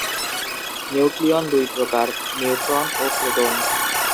Nucleon দুই প্রকার: neutron ও প্রোটন।